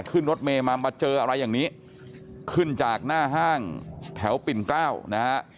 ขึ้นรถเมย์มามาเจออะไรอย่างนี้ขึ้นจากหน้าห้างแถวปิ่นเกล้านะฮะ